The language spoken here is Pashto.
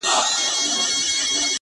ښایسته د پاچا لور وم پر طالب مینه سومه!!